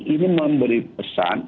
ini memberi pesan